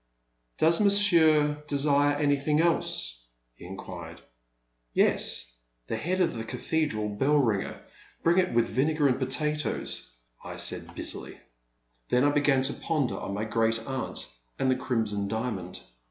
"Does Monsieur desire anything else?" he inquired. Yes — the head of the cathedral bell ringer; bring it with vinegajr and potatoes,'' I said, bit 347 348 The Man at the Next Table. terly. Then I began to ponder on my great aunt and the Crimson Diamond.